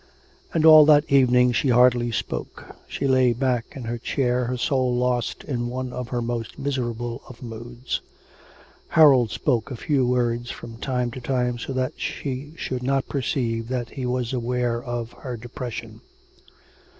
And all that evening she hardly spoke; she lay back in her chair, her soul lost in one of her most miserable of moods. Harold spoke a few words from time to time so that she should not perceive that he was aware of her depression.